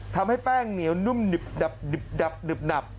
ทำให้แป้งเหนียวนุ่มดับดึบดับดึบนับ